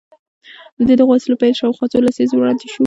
د دغو وسيلو پيل شاوخوا څو لسيزې وړاندې وشو.